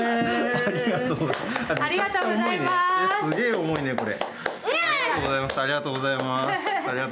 ありがとうございます。